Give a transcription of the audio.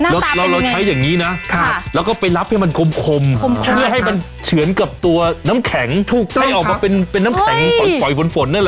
เราใช้อย่างนี้นะแล้วก็ไปรับให้มันคมเพื่อให้มันเฉือนกับตัวน้ำแข็งให้ออกมาเป็นน้ำแข็งฝอยฝนนั่นแหละ